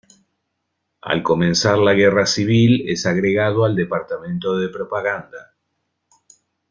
Al comenzar la Guerra Civil es agregado al departamento de propaganda.